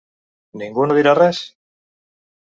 Ningú no dirà res?